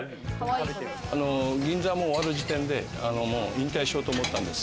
銀座終わる時点で、もう引退しようと思ってたんです。